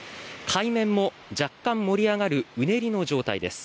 海面も若干、盛り上がるうねりの状態です。